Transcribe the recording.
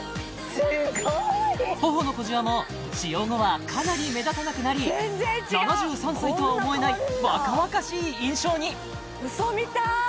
すごい！頬の小じわも使用後はかなり目立たなくなり７３歳とは思えない若々しい印象に嘘みたい！